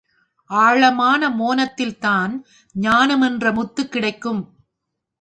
ஆழமான மோனத்தில்தான் ஞானம் என்ற முத்து கிடைக்கும்.